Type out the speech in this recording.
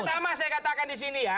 pertama saya katakan di sini ya